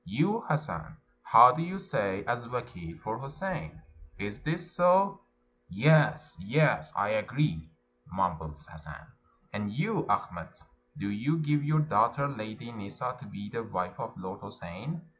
" You, Hassan, how do you say as vakeel for Houssein — is this so?" — "Yes, yes, I agree," mumbles Hassan. " And you, Achmet, do you give your daughter. Lady Nissa, to be the wife of Lord Houssein?"